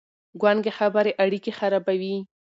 ګونګې خبرې اړيکې خرابوي.